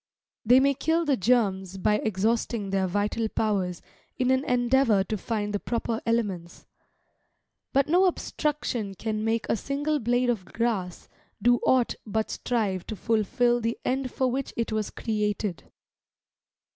They may kill the germs by exhausting their vital powers in an endeavour to find the proper elements; but no obstruction can make a single blade of grass do aught but strive to fulfil the end for which it was created.